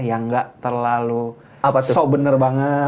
yang gak terlalu so bener banget